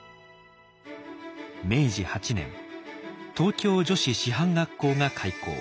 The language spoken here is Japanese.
明治８年東京女子師範学校が開校。